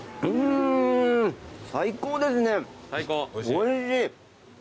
おいしい！